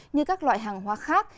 như các loại hàng hóa khác